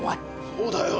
そうだよ。